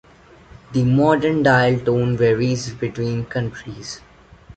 The modern dial tone varies between countries.